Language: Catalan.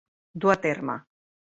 Dur a terme.